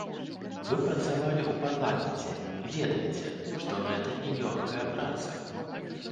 Вы працавалі ў парламенце, ведаеце, што гэта нялёгкая праца.